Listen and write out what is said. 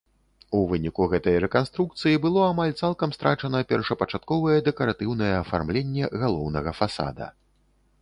У выніку гэтай рэканструкцыі было амаль цалкам страчана першапачатковае дэкаратыўнае афармленне галоўнага фасада.